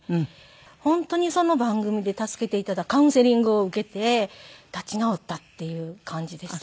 本当にその番組で助けて頂いたカウンセリングを受けて立ち直ったっていう感じでした。